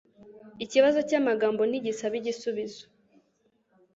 Ikibazo cyamagambo ntigisaba igisubizo